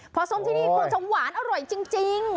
พอส้มที่นี่คงจะหวานอร่อยจริง